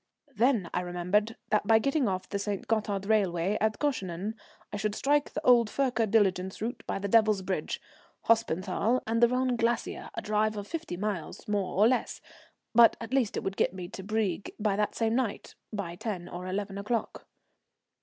Then I remembered that by getting off the St. Gothard railway at Goeschenen I should strike the old Furka diligence route by the Devil's Bridge, Hospenthal, and the Rhone Glacier, a drive of fifty miles, more or less, but at least it would get me to Brieg that same night by 10 or 11 o'clock.